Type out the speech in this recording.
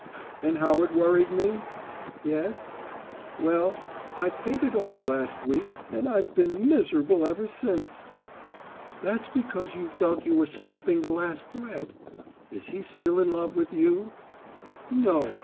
"And how it worried me?" "Yes." "Well, I paid it off last week, and I've been miserable ever since." "That's because you felt you were snapping the last thread. Is he still in love with you?" "No.